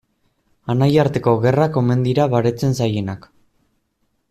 Anaiarteko gerrak omen dira baretzen zailenak.